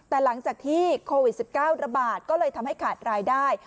แต่หลังจากที่โควิด๑๙ระบาดก็เลยทำให้ขาดรายได้